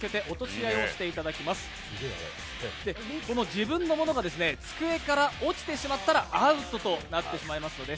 自分のものが机から落ちてしまったらアウトとなってしまいます。